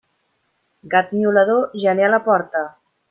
Gat miolador, gener a la porta.